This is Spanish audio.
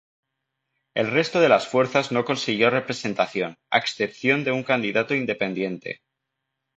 El resto de las fuerzas no consiguió representación, a excepción de un candidato independiente.